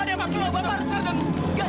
nggak ada yang percuma pak